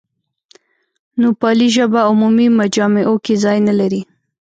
نوپالي ژبه عمومي مجامعو کې ځای نه لري.